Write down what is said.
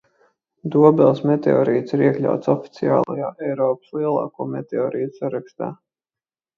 Dobeles meteorīts ir iekļauts oficiālajā Eiropas lielāko meteorītu sarakstā.